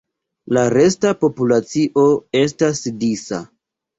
La resta populacio estas disa.